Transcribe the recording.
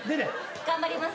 頑張ります。